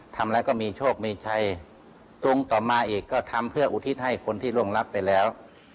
ทำอะไรก็มีโชคมีชัยตรงต่อมาอีกก็ทำเพื่ออุทิศให้คนที่ร่วงรับไปแล้ว